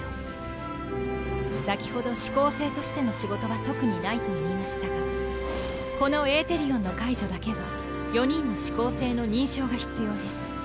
先ほど四煌星としての仕事は特にないと言いましたがこのエーテリオンの解除だけは４人の四煌星の認証が必要です。